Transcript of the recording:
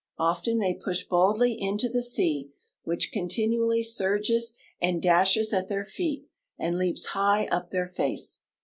Often they push boldly into the sea, which con tinually surges and dashes at their feet and leaps high up their face.